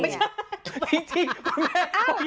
คิดจริงคุณแม่